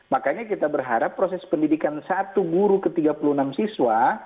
makanya kita berharap proses pendidikan satu guru ke tiga puluh enam siswa